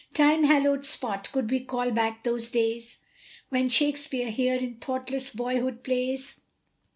Time hallowed spot, could we call back those days, When Shakespeare here in thoughtless boyhood plays.